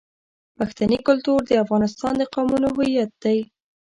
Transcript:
پښتني کلتور د افغانستان د قومونو هویت دی.